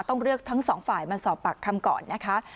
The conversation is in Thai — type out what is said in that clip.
ต้องเรียกทั้งสองฝ่ายมาสอบปากคำก่อนนะคะ